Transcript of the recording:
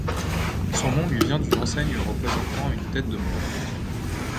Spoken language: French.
Son nom lui vient d'une enseigne représentant une tête de Maure.